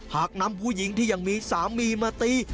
หากนำผู้หญิงที่ยังมีสามีมาตี